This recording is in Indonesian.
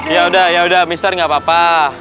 ya udah ya udah mr gak apa apa